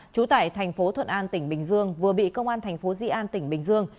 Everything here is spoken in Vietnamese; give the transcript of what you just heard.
trú tại thành phố thuận an tỉnh bình dương